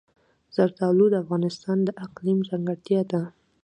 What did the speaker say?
زردالو د افغانستان د اقلیم ځانګړتیا ده.